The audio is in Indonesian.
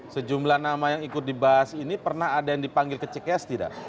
sejumlah nama yang ikut dibahas ini pernah ada yang dipanggil ke cks tidak